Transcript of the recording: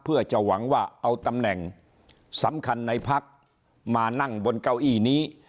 เพื่อจะหวังว่าเอาตำแหน่งสำคัญในพักมานั่งบนเก้าอี้นี้